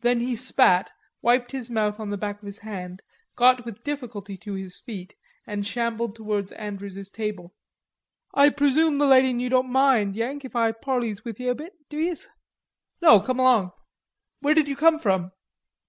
Then he spat, wiped his mouth on the back of his hand, got with difficulty to his feet and shambled towards Andrews's table. "Oi presoom the loidy and you don't mind, Yank, if Oi parley wi' yez a bit. Do yez?" "No, come along; where did you come from?"